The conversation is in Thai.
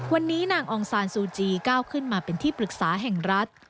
วันนี้นางองซานซูจีก้าวขึ้นมาเป็นที่ปรึกษาแห่งรัฐ